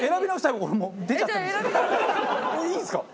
いいんですか？